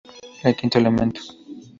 El quinto elemento.